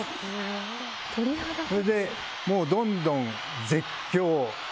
それでもうどんどん絶叫。